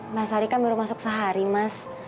mbak sari kan baru masuk sehari mas